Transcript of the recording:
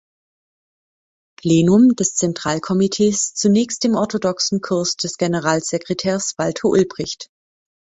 Plenum des Zentralkomitees zunächst dem orthodoxen Kurs des Generalsekretärs Walter Ulbricht.